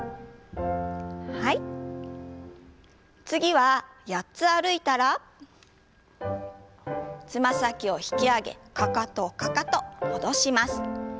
次は８つ歩いたらつま先を引き上げかかとかかと戻します。